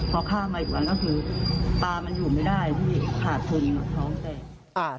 พอข้ามมาอีกวันก็คือปลามันอยู่ไม่ได้พี่ขาดทุนท้องแตก